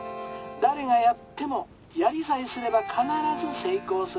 誰がやってもやりさえすれば必ず成功する」。